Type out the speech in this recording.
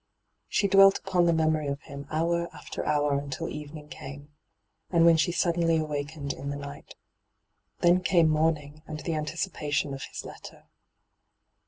She dwelt upon the memory of him hour after hour until evening came — and when she suddenly awakened in the night. Then came morning and the anticipation of his letter.